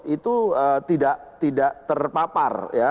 itu tidak terpapar